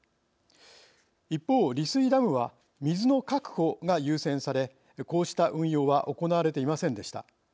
一方、利水ダムは水の確保が優先されこうした運用は行われていませんでした。